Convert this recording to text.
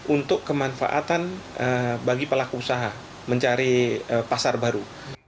untuk kemanfaatan bagi pelaku usaha mencari pasar baru